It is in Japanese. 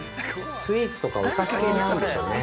◆スイーツとかお菓子系に合うんでしょうね。